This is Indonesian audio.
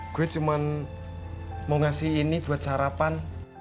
gue cuma mau ngasih ini buat sarapan